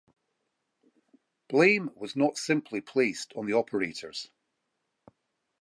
Blame was not simply placed on the operators.